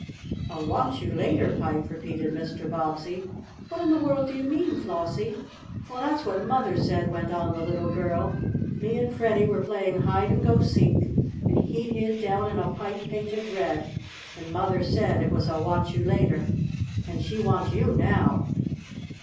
"A want you later pipe?" repeated Mr. Bobbsey. "What in the world do you mean, Flossie?" "Well, that's what mother said," went on the little girl. "Me and Freddie were playing hide and go seek, and he hid down in a pipe painted red, and mother said it was a want you later. And she wants you now!"